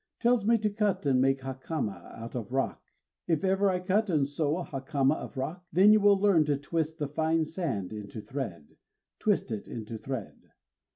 _ Tells me to cut and make a hakama out of rock! If ever I cut and sew a hakama of rock, Then you will learn to twist the fine sand into thread, _Twist it into thread.